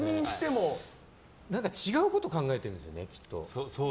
違うこと考えてるんですよねきっと。